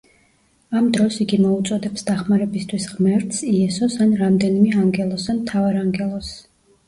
ამ დროს იგი მოუწოდებს დახმარებისთვის ღმერთს, იესოს ან რამდენიმე ანგელოზს ან მთავარანგელოზს.